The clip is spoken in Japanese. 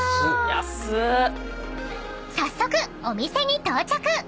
［早速お店に到着。